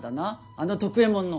あの徳右衛門の。